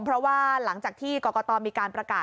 เพราะว่าหลังจากที่กรกตมีการประกาศ